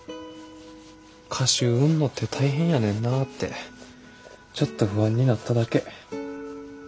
歌集売んのって大変やねんなってちょっと不安になっただけ。